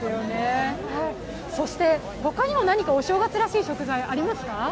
そして他にも何かお正月らしい食材ありますか？